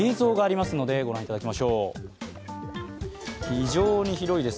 非常に広いです。